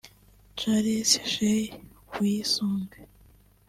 Charles Shey Wiysonge